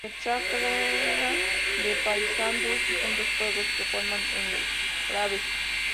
En Chacras de Paysandú existen dos pueblos que forman enclaves.